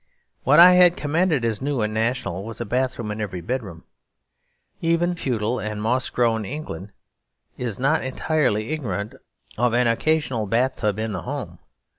What I had commended as new and national was a bathroom in every bedroom. Even feudal and moss grown England is not entirely ignorant of an occasional bath tub in the home.